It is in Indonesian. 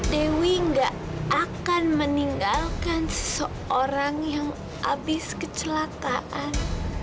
dewi gak akan meninggalkan seorang yang habis kecelakaan